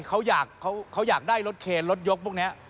เขาอยากได้รถเคนรถยกพวกนี้